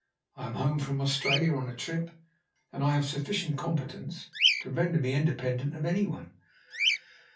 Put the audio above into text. I am home from Australia on a trip, and I have a sufficient competence to render me independent of any one."